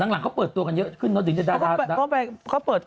นั้นหลังเขาเปิดตัวกันเยอะขึ้นเนอะตรงนี้